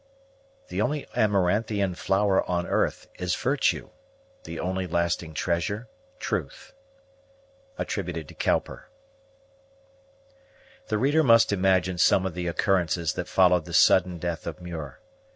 The only amaranthian flower on earth Is virtue; the only lasting treasure, truth. COWPER. The reader must imagine some of the occurrences that followed the sudden death of Muir.